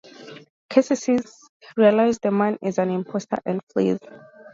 Casey realizes the man is an imposter and flees.